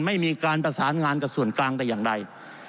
ไม่มีการประสานงานกับส่วนกลางแต่อย่างใด